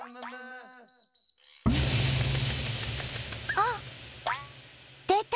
あっでた！